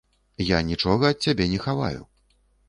Я нічога ад цябе не хаваю.